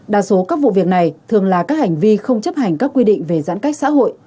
đa số các vụ việc này thường là các hành vi không chấp hành các quy định về giãn cách xã hội